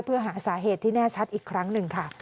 เพื่อหาสาเหตุที่แน่ชัดอีกครั้งหนึ่งค่ะ